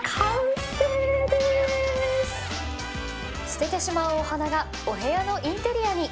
捨ててしまうお花がお部屋のインテリアに！